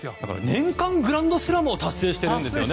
年間グランドスラムを達成しているんですよね